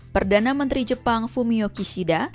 perdana menteri jepang fumio kishida